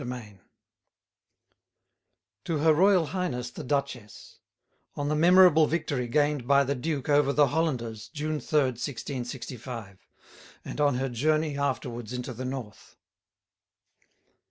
]TO HER ROYAL HIGHNESS THE DUCHESS, ON THE MEMORABLE VICTORY GAINED BY THE DUKE OVER THE HOLLANDERS, JUNE 3, 1665. AND ON HER JOURNEY AFTERWARDS INTO THE NORTH.